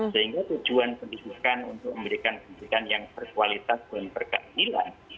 sehingga tujuan pendidikan untuk memberikan pendidikan yang berkualitas dan berkeadilan